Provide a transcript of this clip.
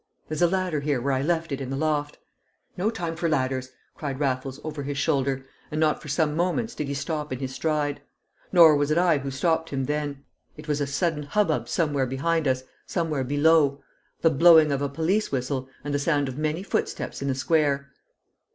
"There's a ladder here where I left it in the loft!" "No time for ladders!" cried Raffles over his shoulder, and not for some moments did he stop in his stride. Nor was it I who stopped him then; it was a sudden hubbub somewhere behind us, somewhere below; the blowing of a police whistle, and the sound of many footsteps in the square.